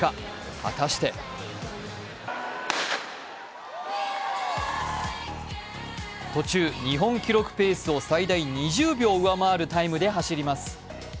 果たして途中、日本記録ペースを最大２０秒上回るペースで走ります。